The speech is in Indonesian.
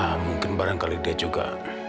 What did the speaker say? ya mungkin barangkali dia juga